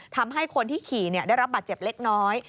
ทำให้คนที่ขี่ได้รับบาดเจ็บเล็กน้อย